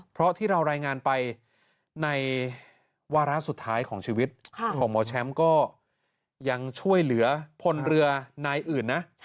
เพราะที่เรารายงานไปในวาระสุดท้ายของชีวิตของหมอแชมป์ก็ยังช่วยเหลือพลเรือนายอื่นนะ